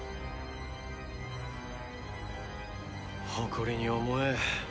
誇りに思え。